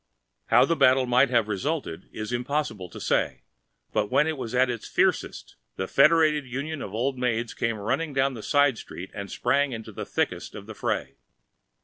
How the battle might have resulted it is impossible to say, but when it was at its fiercest the Federated Union of Old Maids came running down a side street and sprang into the thickest of the fray.